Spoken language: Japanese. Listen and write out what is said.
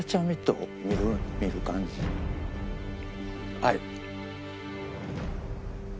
はい。